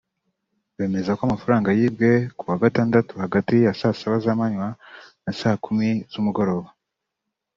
bemeza ko amafaranga yibwe ku wa gatandatu hagati ya saa saba z’amanywa na saa kumi z’umugoroba